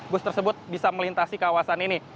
bus tersebut bisa melintasi kawasan ini